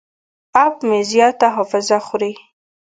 اپ مې زیاته حافظه خوري.